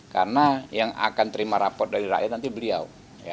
karena yang akan terima rapor dari rakyat nanti beliau